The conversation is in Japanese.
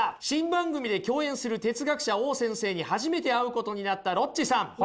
新番組で共演する哲学者Ｏ先生に初めて会うことになったロッチさん。